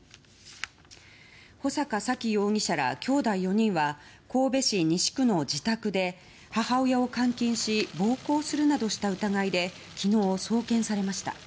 穂坂沙喜容疑者らきょうだい４人は神戸市西区の自宅で母親を監禁し暴行するなどした疑いで昨日、送検されました。